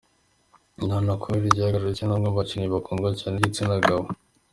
Nana kubera igihagararo cye ni umwe mu bakinnyi bakundwa cyane n'igitsina gabo.